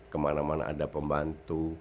kemana mana ada pembantu